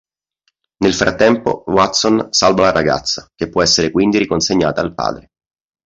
Nel frattempo Watson salva la ragazza che può essere quindi riconsegnata al padre.